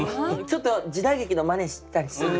ちょっと時代劇のまねしたりする。